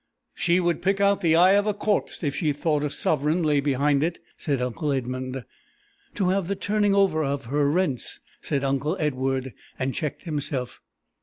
"She would pick out the eye of a corpse if she thought a sovereign lay behind it!" said uncle Edmund. "To have the turning over of his rents, " said uncle Edward, and checked himself.